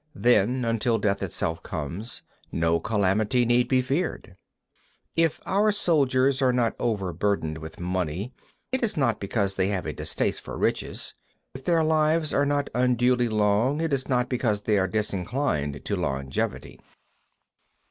Then, until death itself comes, no calamity need be feared. 27. If our soldiers are not overburdened with money, it is not because they have a distaste for riches; if their lives are not unduly long, it is not because they are disinclined to longevity.